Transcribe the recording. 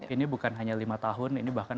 ini bukan hanya lima tahun ini bahkan